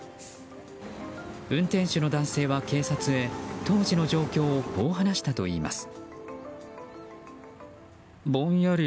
運転手の男性は警察へ当時の状況をこう話したといいます。